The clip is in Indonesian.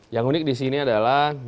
yang unik disini adalah